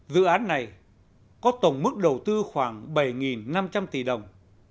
dự án này có tổng mức đầu tư khoảng bảy năm trăm linh tỷ đồng